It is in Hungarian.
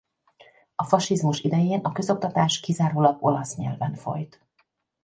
A fasizmus idején a közoktatás kizárólag olasz nyelven folyt.